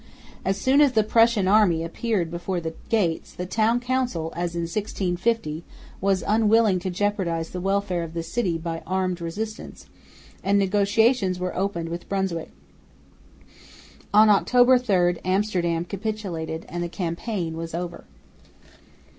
As soon as the Prussian army appeared before the gates, the Town Council, as in 1650, was unwilling to jeopardise the welfare of the city by armed resistance, and negotiations were opened with Brunswick. On October 3 Amsterdam capitulated, and the campaign was over.